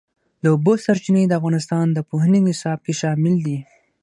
د اوبو سرچینې د افغانستان د پوهنې نصاب کې شامل دي.